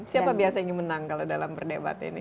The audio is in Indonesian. siapa biasa ingin menang kalau dalam perdebat ini